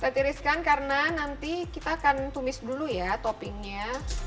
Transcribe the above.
kita tiriskan karena nanti kita akan tumis dulu ya toppingnya